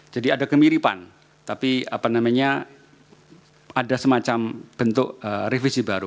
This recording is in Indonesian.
jadi ada kemiripan tapi ada semacam bentuk revisi baru